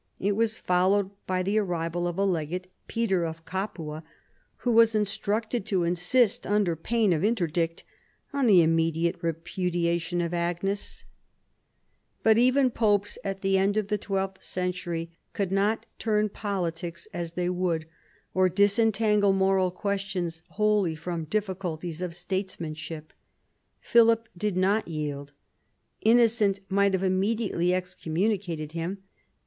It was followed by the arrival of a legate, Peter of Capua, who was instructed to insist, under pain of interdict, on the immediate repudiation of Agnes. 166 PHILIP AUGUSTUS chap. But even popes at the end of the twelfth century could not turn politics as they would, or disentangle moral questions wholly from difficulties of statesman ship. Philip did not yield. Innocent might have immediately excommunicated him.